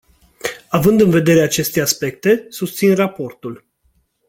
Având în vedere aceste aspecte, susțin raportul.